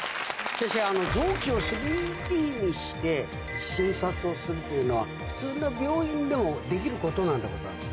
先生臓器を３Ｄにして診察をするというのは普通の病院でもできることなんでございますか？